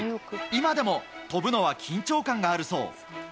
今でも跳ぶのは緊張感があるそう。